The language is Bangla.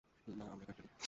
না, আমরা কাঠবিড়ালী।